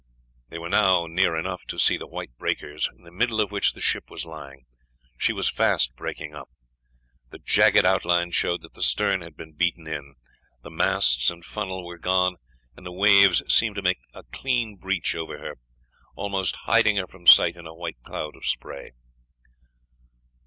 They were now near enough to see the white breakers, in the middle of which the ship was lying. She was fast breaking up. The jagged outline showed that the stern had been beaten in. The masts and funnel were gone, and the waves seemed to make a clean breach over her, almost hiding her from sight in a white cloud of spray.